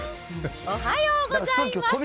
おはようございます。